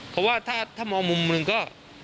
เพราะว่าถ้ามองมุมหนึ่งก็